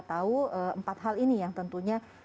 tahu empat hal ini yang tentunya